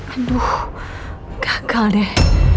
aduh gagal deh